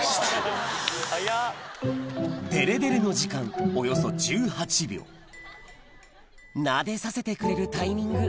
デレデレの時間およそ１８秒なでさせてくれるタイミング